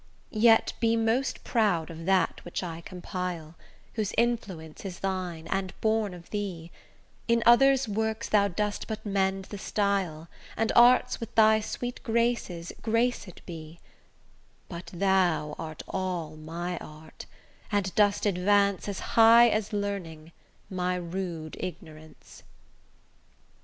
Yet be most proud of that which I compile, Whose influence is thine, and born of thee: In others' works thou dost but mend the style, And arts with thy sweet graces graced be; But thou art all my art, and dost advance As high as learning, my rude ignorance.